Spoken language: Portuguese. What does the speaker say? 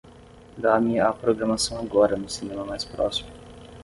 Dá-me a programação agora no cinema mais próximo